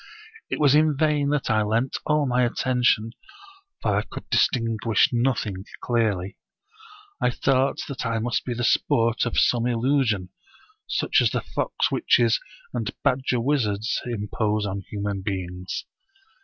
It was in vain that I lent all my attention, for I could distinguish nothing clearly. I thought that I must be the sport of some illusion, such as the fox witches and badger wizards impose on human beings.